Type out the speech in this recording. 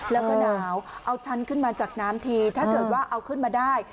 แล้วก็หนาวเอาชั้นขึ้นมาจากน้ำทีถ้าเกิดว่าเอาขึ้นมาได้